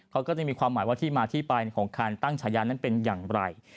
เขาก็จะมีความหมายว่าที่มาที่ไปของการตั้งฉายานั้นเป็นอย่างไร